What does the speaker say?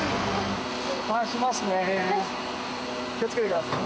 気を付けてください。